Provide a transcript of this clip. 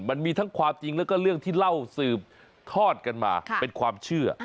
มันมีทั้งความจริงแล้วก็เรื่องที่เล่าสืบทอดกันมาเป็นความเชื่อ